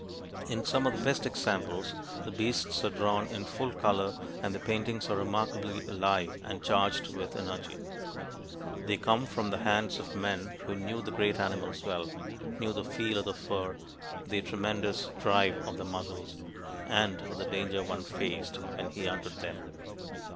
In some of the best examples, the beasts are drawn in full color and the paintings are remarkably alive and charged with energy. They come from the hands of men who knew the great animals well knew the feel of their fur, the tremendous drive of their muscles, and the danger one faced when he hunted them.